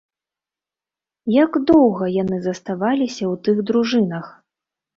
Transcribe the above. Як доўга яны заставаліся ў тых дружынах?